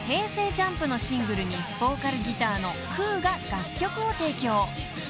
ＪＵＭＰのシングルにボーカルギターのくぅが楽曲を提供］